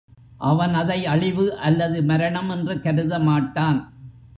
அவன் அதை அழிவு அல்லது மரணம் என்று கருத மாட்டான்.